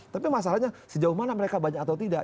tapi masalahnya sejauh mana mereka banyak atau tidak